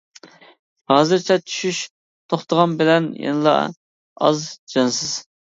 ھازىر چاچ چۈشۈش توختىغان بىلەن يەنىلا ئاز، جانسىز.